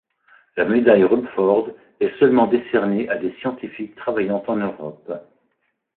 La Médaille Rumford est seulement décernée à des scientifiques travaillant en Europe.